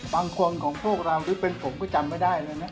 บางคนของพวกเราหรือเป็นผมก็จำไม่ได้เลยนะ